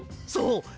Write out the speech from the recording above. そう。